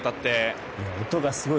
音がすごい！